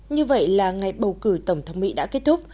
như vậy là ngày bầu cử tổng thống mỹ đã kết thúc